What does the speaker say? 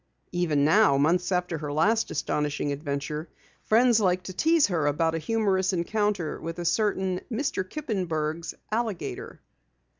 Even now, months after her last astonishing adventure, friends liked to tease her about a humorous encounter with a certain Mr. Kippenberg's alligator.